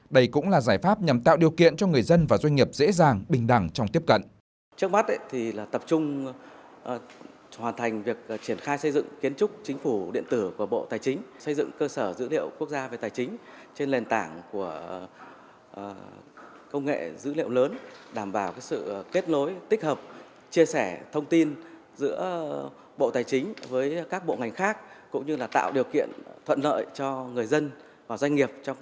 đây cũng là giải pháp nhằm tạo điều kiện cho người dân và doanh nghiệp dễ dàng bình đẳng trong tiếp cận